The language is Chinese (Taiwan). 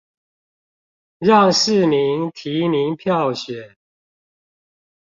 讓市民提名票選